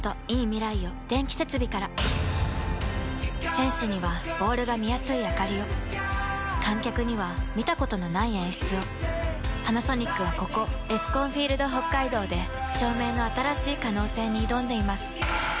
選手にはボールが見やすいあかりを観客には見たことのない演出をパナソニックはここエスコンフィールドＨＯＫＫＡＩＤＯで照明の新しい可能性に挑んでいます